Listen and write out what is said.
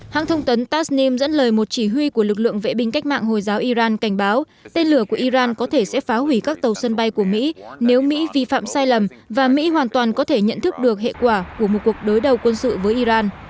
hãng thông tấn tasnim dẫn lời một chỉ huy của lực lượng vệ binh cách mạng hồi giáo iran cảnh báo tên lửa của iran có thể sẽ phá hủy các tàu sân bay của mỹ nếu mỹ vi phạm sai lầm và mỹ hoàn toàn có thể nhận thức được hệ quả của một cuộc đối đầu quân sự với iran